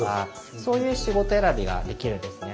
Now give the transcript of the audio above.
そういう仕事選びができるんですね。